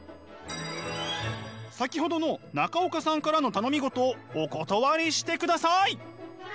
先ほどの中岡さんからの頼み事をお断りしてください。